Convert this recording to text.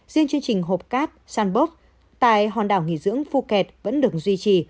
riêng chương trình hộp cát sanboc tại hòn đảo nghỉ dưỡng phuket vẫn được duy trì